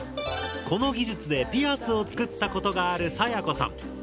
この技術でピアスを作ったことがあるさやこさん。